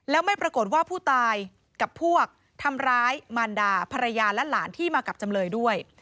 แล้วไม่ปรากฏว่าผู้ตายกับพวกทำร้ายมารดาภรรยาและหลานที่มากับจำเลยด้วย